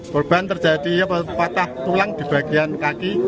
korban terjadi patah tulang di bagian kaki